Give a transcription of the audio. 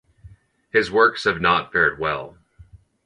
His works have not fared well.